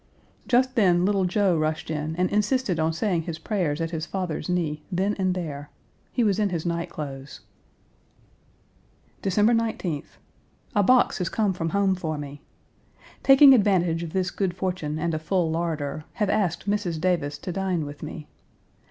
Just then, little Joe rushed in and insisted on saying his prayers at his father's knee, then and there. He was in his night clothes. December 19th. A box has come from home for me. Taking advantage of this good fortune and a full larder, have asked Mrs. Davis to dine with me.